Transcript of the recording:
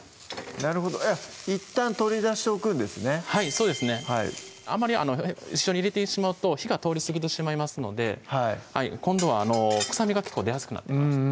そうですねあまり一緒に入れてしまうと火が通りすぎてしまいますので今度は臭みが結構出やすくなってます